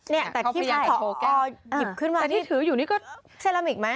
แต่ที่ถืออยู่นี่ก็เซรามิกไหม